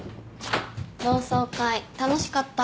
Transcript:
同窓会楽しかった？